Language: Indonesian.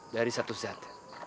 dari satu zat